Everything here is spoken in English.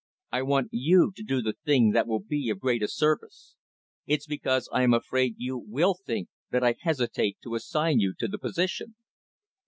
I want you to do the thing that will be of greatest service. It's because I am afraid you will think, that I hesitate to assign you to the position."